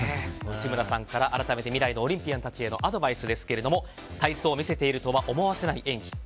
内村さんから改めて未来のオリンピアンたちにアドバイスですけども体操を見せているとは思わせない演技。